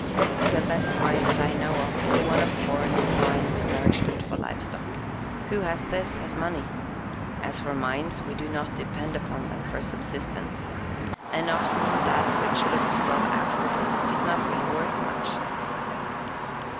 "The best mine that I know of, is one of corn and wine with nourishment for livestock. Who has this, has money. As for mines, we do not depend upon them for subsistence. And often that which looks well outwardly is not really worth much."